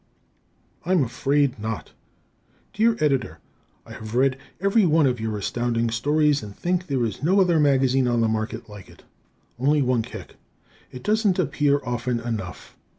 I'm Afraid Not Dear Editor: I have read every one of your Astounding Stories and think there is no other magazine on the market like it. Only one kick: it doesn't appear often enough.